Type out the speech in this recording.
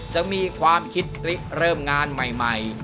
จะมีความคิดเริ่มงานใหม่